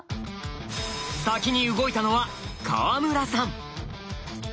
先に動いたのは川村さん！